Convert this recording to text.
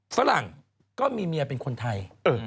ฝรั่งก็มีเมียเป็นคนไทย